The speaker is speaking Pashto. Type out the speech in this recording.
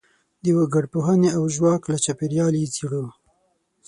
د وګړپوهنې او ژواک له چاپیریال یې څېړو.